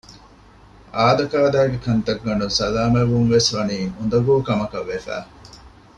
އާދަކާދައިގެ ކަންތައްގަނޑުން ސަލާމަތްވުންވެސް ވަނީ އުނދަގޫ ކަމަކަށް ވެފަ